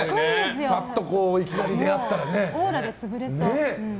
バッといきなり出会ったらね。